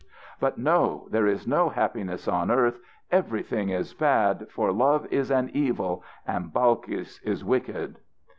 But no! there is no happiness on earth, everything is bad, for love is an evil and Balkis is wicked."